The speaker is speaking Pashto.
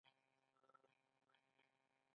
کور حق دی